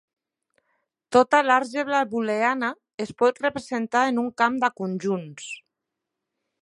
Tota l'àlgebra booleana es pot representar en un camp de conjunts.